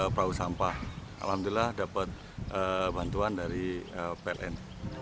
perahu sampah alhamdulillah dapat bantuan dari pln